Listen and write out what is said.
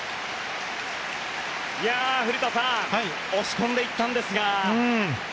古田さん押し込んでいったんですが。